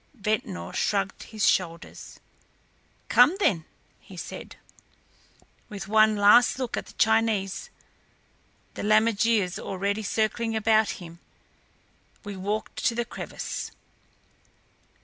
Ventnor shrugged his shoulders. "Come, then," he said. With one last look at the Chinese, the lammergeiers already circling about him, we walked to the crevice.